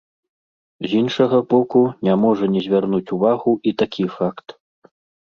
З іншага боку, не можа не звярнуць увагу і такі факт.